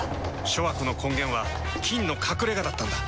諸悪の根源は「菌の隠れ家」だったんだ。